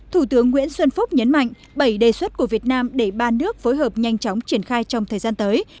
thủ tướng nguyễn xuân phúc nhấn mạnh bảy đề xuất của việt nam để ba nước phối hợp nhanh chóng triển khai trong thời gian tới